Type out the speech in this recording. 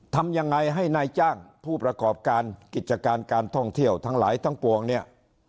ทำยังไงให้นายจ้างผู้ประกอบการกิจการการท่องเที่ยวทั้งหลายทั้งปวงเนี่ย